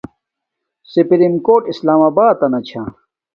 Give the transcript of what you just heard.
سیپرم کوٹ اسلام آباتنا چھا